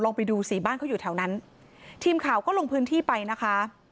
ไปดูสิบ้านเขาอยู่แถวนั้นทีมข่าวก็ลงพื้นที่ไปนะคะ